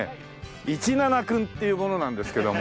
イチナナ君っていう者なんですけども。